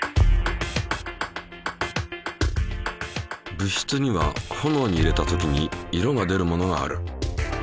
物質には炎に入れた時に色が出るものがある。